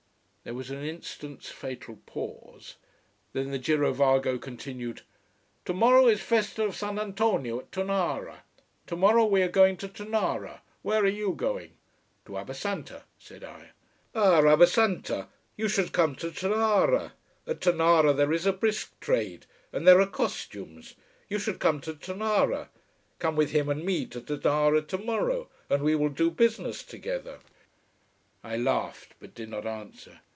There was an instant's fatal pause, then the girovago continued: "Tomorrow is festa of Sant 'Antonio at Tonara. Tomorrow we are going to Tonara. Where are you going?" "To Abbasanta," said I. "Ah Abbasanta! You should come to Tonara. At Tonara there is a brisk trade and there are costumes. You should come to Tonara. Come with him and me to Tonara tomorrow, and we will do business together." I laughed, but did not answer.